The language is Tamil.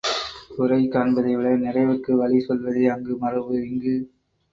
குறை காண்பதை விட நிறைவுக்கு வழி சொல்வதே அங்கு மரபு, இங்கு?